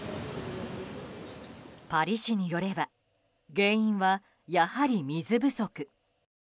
パリ市によれば原因はやはり水不足。